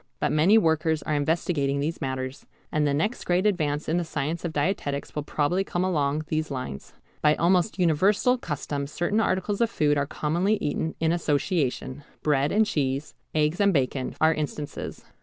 But many workers are investigating these matters, and the next great advance in the science of dietetics will probably come along these lines. By almost universal custom certain articles of food are commonly eaten in association: bread and cheese, eggs and bacon, are instances.